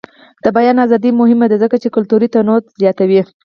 د بیان ازادي مهمه ده ځکه چې کلتوري تنوع زیاتوي.